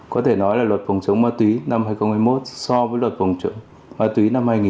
có thể nói là luật phòng chống ma túy năm hai nghìn hai mươi một so với luật phòng chống ma túy năm hai nghìn